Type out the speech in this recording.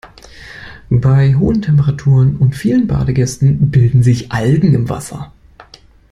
Bei hohen Temperaturen und vielen Badegästen bilden sich Algen im Wasser.